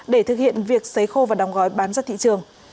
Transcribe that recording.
để thực hiện việc xấy khô và đóng gói bán ra thị trường